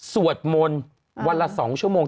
สวดมนต์วันละ๒ชั่วโมง